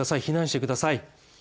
避難してください。